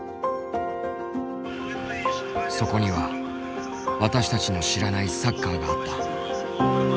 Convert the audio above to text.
そこには私たちの知らないサッカーがあった。